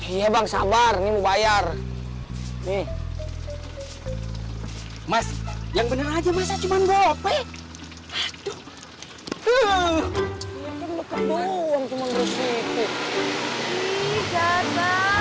iya bang sabar nih mau bayar nih mas yang bener aja masa cuma bopek aduh tuh cuman